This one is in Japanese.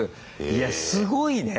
いやすごいね！